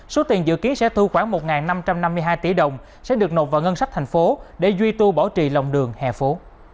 số tiền dự kiến sẽ thu khoảng một năm trăm năm mươi hai tỷ đồng sẽ được nộp vào ngân sách thành phố để duy tu bảo trì lòng đường hè phố